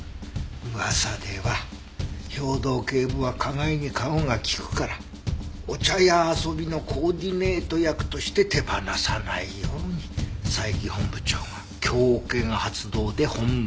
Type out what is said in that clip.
噂では兵藤警部は花街に顔が利くからお茶屋遊びのコーディネート役として手放さないように佐伯本部長が強権発動で本部に残したとか。